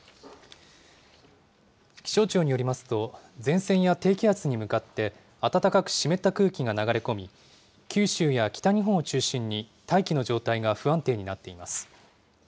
気象庁によりますと、前線や低気圧に向かって、暖かく湿った空気が流れ込み、九州や北日本を中心に大気の状態が不安定になっています。